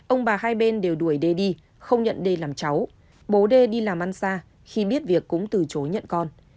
ông bà hai bên đều đuổi đê đi không nhận đây làm cháu bố đê đi làm ăn xa khi biết việc cũng từ chối nhận con